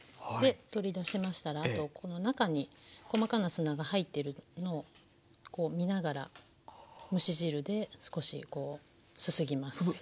で取り出しましたらあとこの中に細かな砂が入ってるのをこう見ながら蒸し汁で少しすすぎます。